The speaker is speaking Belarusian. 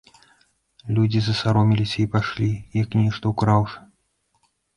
Людзі засароміліся і пайшлі, як нешта ўкраўшы.